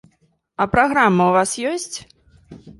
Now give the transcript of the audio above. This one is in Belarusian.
А праграма ў вас ёсць?